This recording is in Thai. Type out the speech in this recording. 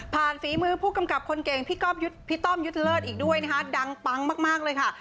ฝีมือผู้กำกับคนเก่งพี่ต้อมยุทธเลิศอีกด้วยนะคะดังปังมากเลยค่ะ